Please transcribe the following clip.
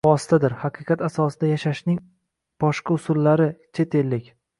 vositadir. “Haqiqat asosida yashash”ning boshqa usullari, chet ellik